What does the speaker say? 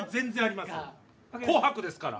「紅白」ですから。